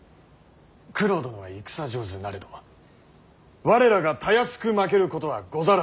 九郎殿は戦上手なれど我らがたやすく負けることはござらぬ。